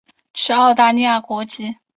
持澳大利亚国籍。